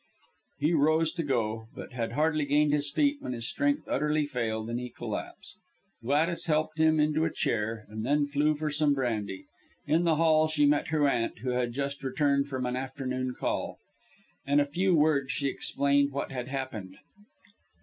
He rose to go, but had hardly gained his feet, when his strength utterly failed and he collapsed. Gladys helped him into a chair, and then flew for some brandy. In the hall, she met her aunt, who had just returned from an afternoon call. In a few words she explained what had happened.